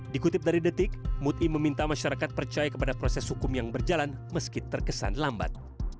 dikutip dari detik muti meminta masyarakat percaya kepada proses hukum yang berjalan meski terkesan lambat